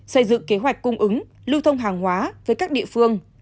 xây dựng kế hoạch cung ứng lưu thông hàng hóa với các địa phương